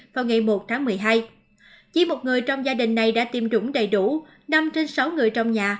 vào ngày một tháng một mươi hai chỉ một người trong gia đình này đã tiêm chủng đầy đủ năm trên sáu người trong nhà